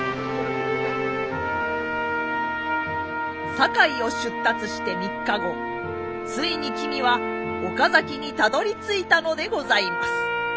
堺を出立して３日後ついに君は岡崎にたどりついたのでございます。